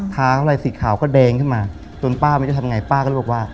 ทาเท่าไรสีขาวก็แดงขึ้นมาต้นป้าไม่ได้ทำไงป้าก็เรียกว่า